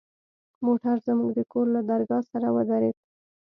موټر زموږ د کور له درگاه سره ودرېد.